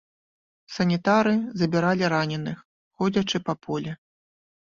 Санітары забіралі раненых, ходзячы па полі.